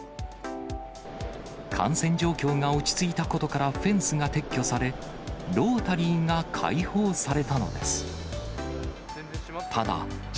感染状況が落ち着いたことからフェンスが撤去され、ロータリーが開放されたのです。